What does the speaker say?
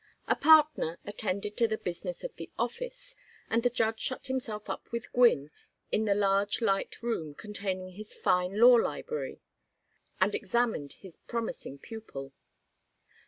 A partner attended to the business of the office, and the judge shut himself up with Gwynne in the large light room containing his fine law library, and examined his promising pupil.